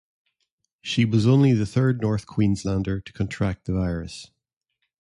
She was only the third North Queenslander to contract the virus.